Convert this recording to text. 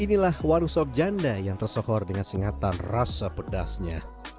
inilah warung sob janda yang tersohor dengan sengatan rasa pedasnya